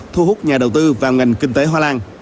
thu hút nhà đầu tư vào ngành kinh tế hoa lan